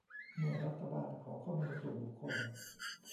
เมื่อรัฐบาลขอข้อมูลส่วนบุคคล